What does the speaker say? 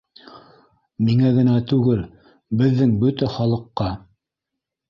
— Миңә генә түгел, беҙҙең бөтә халыҡҡа.